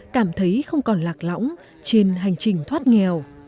cảm thấy không còn lạc lõng trên hành trình thoát nghèo